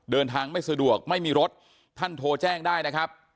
ไม่สะดวกไม่มีรถท่านโทรแจ้งได้นะครับ